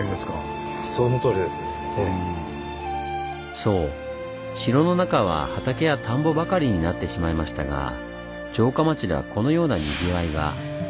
そう城の中は畑や田んぼばかりになってしまいましたが城下町ではこのようなにぎわいが。